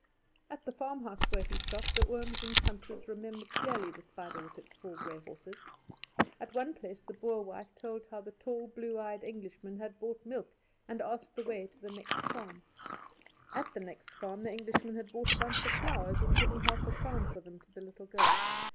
At the farmhouses where he stopped the ooms and tantes remembered clearly the spider with its four grey horses. At one place the Boer wife told how the tall, blue eyed Englishman had bought milk, and asked the way to the next farm. At the next farm the Englishman had bought a bunch of flowers, and given half a crown for them to the little girl.